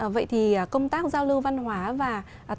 vậy thì công tác giao lưu văn hóa và tăng cường giao lưu văn hóa